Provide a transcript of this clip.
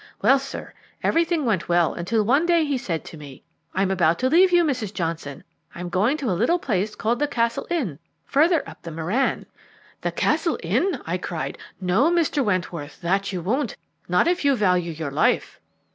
Well, sir, everything went well until one day he said to me, 'I am about to leave you, Mrs. Johnson. I am going to a little place called the Castle Inn, further up the Merran.' "'The Castle Inn!' I cried. 'No, Mr. Wentworth, that you won't, not if you value your life.'